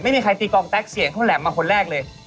ไม่มีใครตีกองแต๊กเสียงเท่าแหลมมาคนแรกเลย